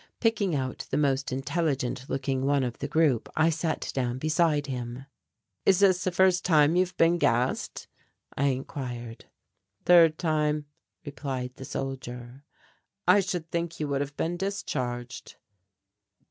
Picking out the most intelligent looking one of the group I sat down beside him. "Is this the first time you have been gassed?" I inquired. "Third time," replied the soldier. "I should think you would have been discharged."